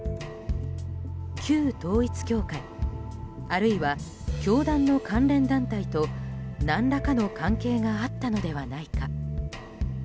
旧統一教会あるいは教団の関連団体と何らかの関係があったのではないか。